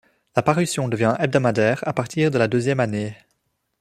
La parution devient hebdomadaire à partir de la deuxième année.